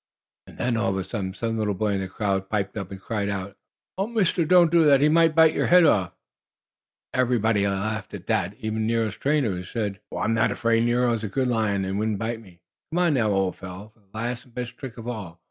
And then, all of a sudden, some little boy in the crowd piped up and cried out: "Oh, Mister, don't do that! He might bite your head off!" Everybody laughed at that, even Nero's trainer, who said: "Oh, I'm not afraid. Nero is a good lion and wouldn't bite me. Come on now, old fellow, for the last and best trick of all!"